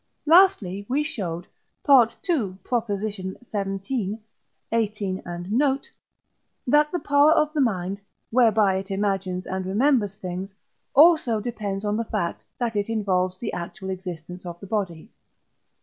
Lastly, we showed (II. xvii., xviii. and note) that the power of the mind, whereby it imagines and remembers things, also depends on the fact, that it involves the actual existence of the body.